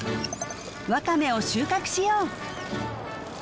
ワカメを収穫しよう！